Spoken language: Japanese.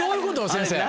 先生。